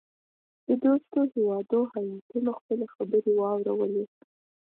د دوستو هیوادو هیاتونو خپلي خبرې واورلې.